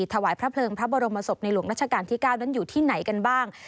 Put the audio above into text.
ถวายพระเพลิงพระบรมศพในหลวงราชการที่๙นั้นอยู่ที่ไหนกันบ้าง